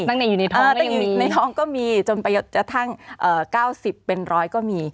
ตั้งแต่อยู่ในท้องก็ยังมีจนประโยชน์จะทั้ง๙๐เป็น๑๐๐ก็มี